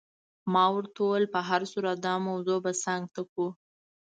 ما ورته وویل: په هر صورت دا موضوع به څنګ ته کړو.